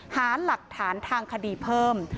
หาหลักฐานทางคดีเพิ่ม